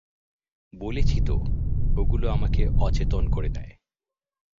বলেছি তো, ওগুলো আমাকে অচেতন করে দেয়।